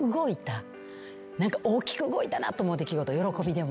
大きく動いたなと思う出来事喜びでも。